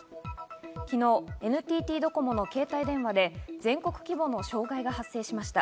昨日、ＮＴＴドコモの携帯電話で全国規模の障害が発生しました。